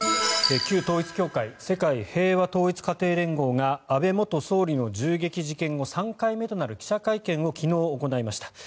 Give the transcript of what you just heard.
旧統一教会世界平和統一家庭連合が安倍元総理の銃撃事件後３回目となる記者会見を昨日、行いました。